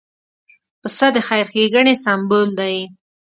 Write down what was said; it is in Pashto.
پسه د خیر ښېګڼې سمبول دی.